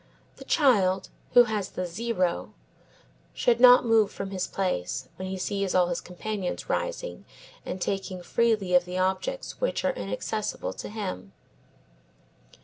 The child who has the zero, should not move from his place when he sees all his companions rising and taking freely of the objects which are inaccessible to him.